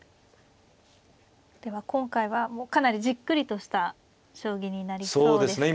では今回はかなりじっくりとした将棋になりそうですか。